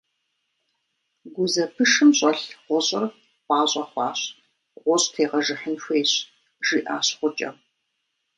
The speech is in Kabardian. – Гузэпышым щӀэлъ гъущӀыр пӀащӀэ хъуащ, гъущӀ тегъэжыхьын хуейщ, – жиӀащ гъукӀэм.